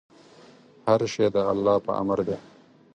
هر شی د الله په امر دی.